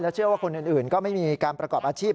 เชื่อว่าคนอื่นก็ไม่มีการประกอบอาชีพ